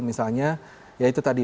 misalnya ya itu tadi